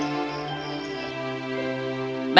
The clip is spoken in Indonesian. satu satunya raja rimba